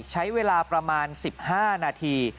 ใช้เวลาประมาณ๑๕นาที